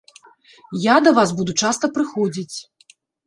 Яда вас буду часта прыходзіць!